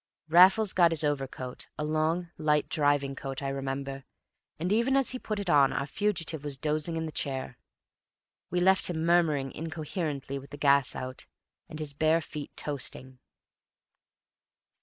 Raffles got his overcoat, a long, light driving coat, I remember, and even as he put it on our fugitive was dozing in the chair; we left him murmuring incoherently, with the gas out, and his bare feet toasting.